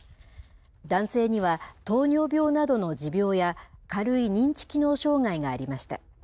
男性には、糖尿病などの持病や、軽い認知機能障害がありました。